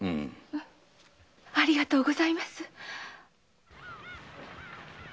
ありがとうございます。